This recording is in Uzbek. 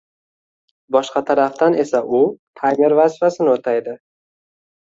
boshqa tarafdan esa u taymer vazifasini o‘taydi